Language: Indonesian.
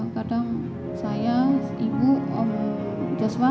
kadang saya ibu om jasman